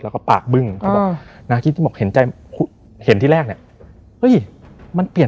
แล้วก็ปากบึ้งเขาบอกนาคิตินบอกเห็นที่แรกเนี่ย